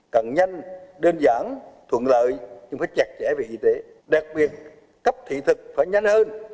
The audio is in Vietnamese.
càng nhanh đơn giản thuận lợi nhưng phải chặt chẽ về y tế đặc biệt cấp thị thực phải nhanh hơn